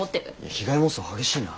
被害妄想激しいな。